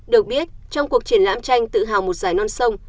được biết trong cuộc triển lãm tranh tự hào một giải non sông